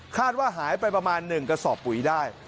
คาดว่าหายไปประมาณ๑เกษาปุ๋ยได้